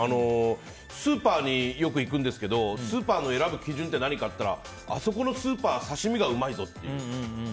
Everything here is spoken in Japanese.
スーパーによく行くんですけどスーパーを選ぶ基準って何かって言ったらあそこのスーパー刺し身がうまいぞっていう。